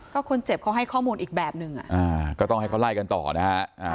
ก็คนเจ็บเขาให้ข้อมูลอีกแบบนึงก็ต้องให้เขาไล่กันต่อนะฮะ